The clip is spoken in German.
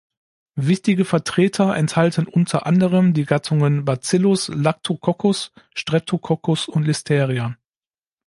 Wichtige Vertreter enthalten unter anderem die Gattungen "Bacillus", "Lactococcus", "Streptococcus" und "Listeria".